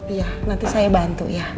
iya nanti saya bantu ya